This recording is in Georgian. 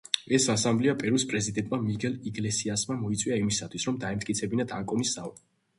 ეს ასამბლეა პერუს პრეზიდენტმა მიგელ იგლესიასმა მოიწვია იმისათვის, რომ დაემტკიცებინათ ანკონის ზავი.